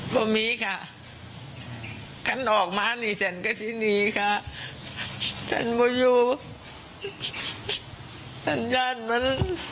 ก็มีค่ะขั้นออกมาหนีเสร็จก็ที่นี่ค่ะฉันไม่อยู่ฉันญาติมัน